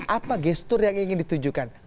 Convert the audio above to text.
apa gestur yang ingin ditunjukkan